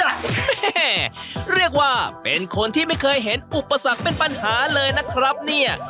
แม่เรียกว่าเป็นคนที่ไม่เคยเห็นอุปสรรคเป็นปัญหาเลยนะครับเนี่ย